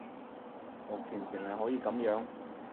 目前淨係可以噉樣